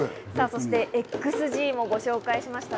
そして、ＸＧもご紹介しました。